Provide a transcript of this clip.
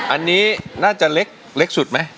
อันนี้น่าจะเล็กสุดไหม